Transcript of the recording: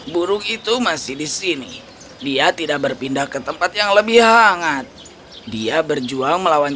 burung itu masih di sini dia tidak berpindah ke tempat yang lebih hangat dia berjuang melawan